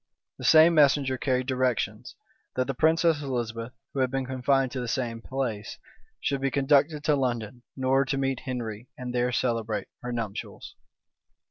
[*] The same messenger carried directions, that the princess Elizabeth, who had been confined to the same place, should be conducted to London, in order to meet Henry, and there celebrate her nuptials.